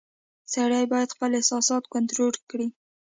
• سړی باید خپل احساسات کنټرول کړي.